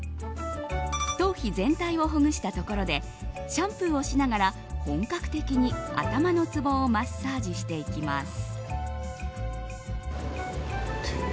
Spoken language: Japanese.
頭皮全体をほぐしたところでシャンプーをしながら本格的に、頭のツボをマッサージしていきます。